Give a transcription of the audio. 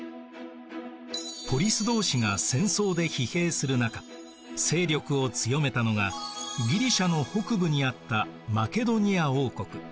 ポリス同士が戦争で疲弊する中勢力を強めたのがギリシアの北部にあったマケドニア王国。